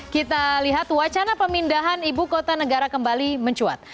kita lihat wacana pemindahan ibu kota negara kembali mencuat